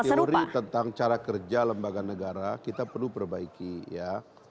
teori tentang cara kerja lembaga negara kita perlu perbaiki ya